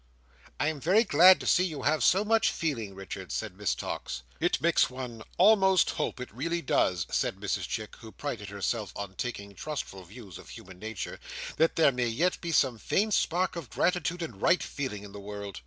"I am very glad to see you have so much feeling, Richards," said Miss Tox. "It makes one almost hope, it really does," said Mrs Chick, who prided herself on taking trustful views of human nature, "that there may yet be some faint spark of gratitude and right feeling in the world."